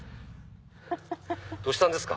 どうしたんですか？